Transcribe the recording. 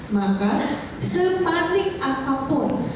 maka sepanik apapun